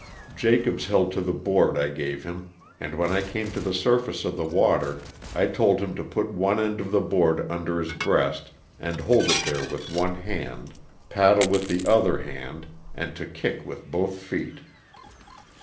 Jacobs held to the board I gave him, and when I came to the surface of the water I told him to put one end of the board under his breast and hold it there with one hand, paddle with the other hand and to kick with both feet.